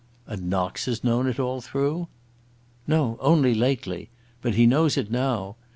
"And Knox has known it all through?" "No, only lately. But he knows it now.